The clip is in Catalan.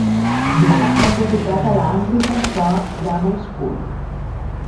Black va ser educat a l'Anglican Church Grammar School.